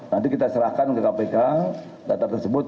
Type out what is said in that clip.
nanti kita serahkan ke kpk data tersebut